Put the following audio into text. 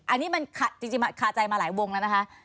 อันนี้มันจริงคาใจมาหลายวงแล้วนะคะ